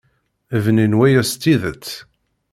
Bnin waya s tidet.